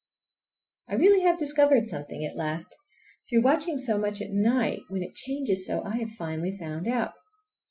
I really have discovered something at last. Through watching so much at night, when it changes so, I have finally found out.